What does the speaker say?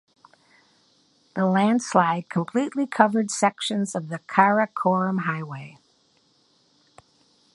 The landslide completely covered sections of the Karakoram Highway.